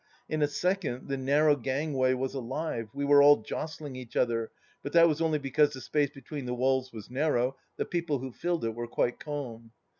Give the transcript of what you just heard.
In a second the narrow gangway was alive, we were all jostling each other ; but that was only because the space between the walls was narrow, the people who filled it were quite calm.